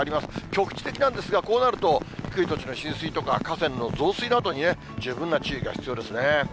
局地的なんですが、こうなると、低い土地の浸水とか、河川の増水などにね、十分な注意が必要ですね。